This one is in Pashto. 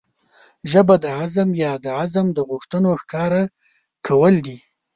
ژبه د عزم يا د عزم د غوښتنو ښکاره کول دي.